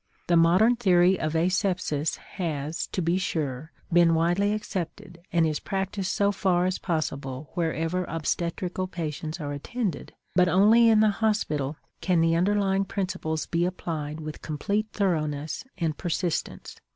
The modern theory of asepsis has, to be sure, been widely accepted and is practiced so far as possible wherever obstetrical patients are attended, but only in the hospital can the underlying principles be applied with complete thoroughness and persistence.